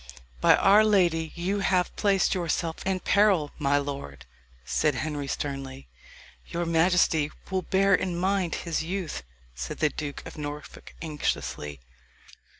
"By our lady you have placed yourself in peril, my lord," said Henry sternly. "Your majesty will bear in mind his youth," said the Duke of Norfolk anxiously.